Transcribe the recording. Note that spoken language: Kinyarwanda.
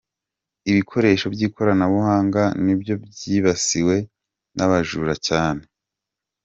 Ibikoresho by’ikoranabuhanga nibyo byibasiwe n’abajura cyane